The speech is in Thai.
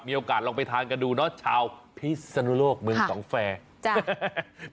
มีโอกาสลองไปทานกันดูเนอะชาวพิศนุโลกเมืองสองแฟร์จ้า